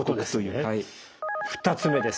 ２つ目です。